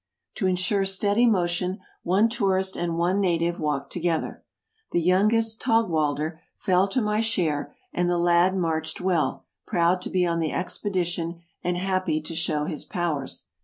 To insure steady motion, one tourist and one native walked together. The youngest Taugwalder fell to my share, and the lad marched well, proud to be on the expe dition and happy to show his powers.